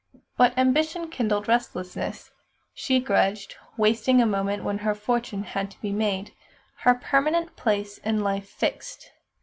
But ambition kindled restlessness. She grudged wasting a moment when her fortune had to be made, her permanent place in life fixed.